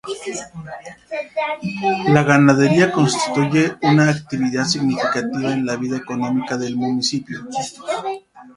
La ganadería constituye una actividad significativa en la vida económica del municipio.